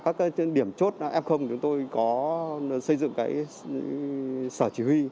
các điểm chốt f chúng tôi có xây dựng sở chỉ huy